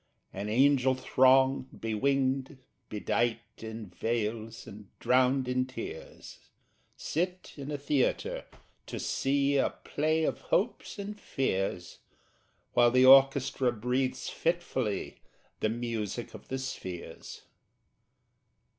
An angel throng, bewinged, bedight In veils, and drowned in tears, Sit in a theatre, to see A play of hopes and fears, While the orchestra breathes fitfully The music of the spheres.